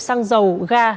sang dầu ga